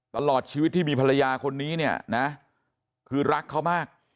ตลอดชีวิตที่มีภรรยาคนนี้เนี่ยนะคือรักเขามาก